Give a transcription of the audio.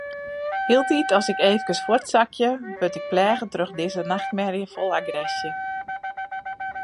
Hieltyd as ik eefkes fuortsakje, wurd ik pleage troch dizze nachtmerje fol agresje.